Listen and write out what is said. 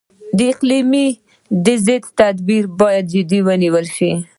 د اقلیمي بدلون ضد تدابیر باید جدي ونیول شي.